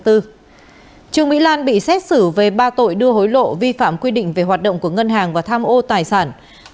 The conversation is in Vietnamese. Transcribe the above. trương mỹ lan bị xét xử về ba tội đưa hối lộ vi phạm quy định về hoạt động của ngân hàng và tham ô tài sản